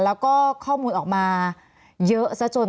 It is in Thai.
แล้วก็ข้อมูลออกมาเยอะซะจน